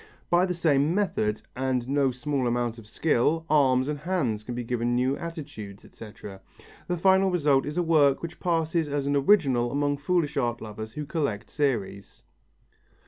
By the same method, and no small amount of skill, arms and hands can be given new attitudes, etc. The final result is a work which passes as an original among foolish art lovers who collect series.